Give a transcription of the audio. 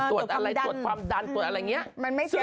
ตรวจความดันตรวจอะไรอย่างเงี้ย